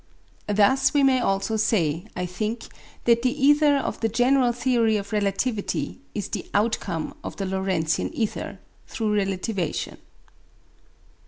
Thus we may also say, I think, that the ether of the general theory of relativity is the outcome of the Lorentzian ether, through relativation.